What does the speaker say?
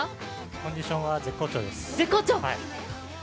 コンディションは絶好調です。